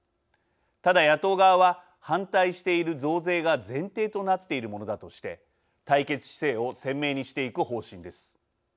ただ野党側は反対している増税が前提となっているものだとして対決姿勢を鮮明にしていく方針です。